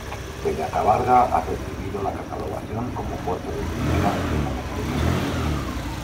Peña Cabarga ha recibido la catalogación como puerto de primera y de categoría especial.